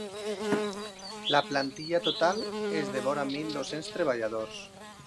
La plantilla total és de vora mil dos-cents treballadors.